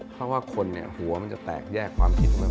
เพราะว่าคนเนี่ยหัวมันจะแตกแยกความคิดมาก